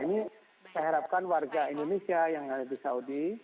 ini saya harapkan warga indonesia yang ada di saudi